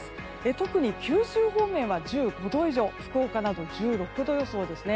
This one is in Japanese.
特に九州方面は１５度以上福岡など１６度予想ですね。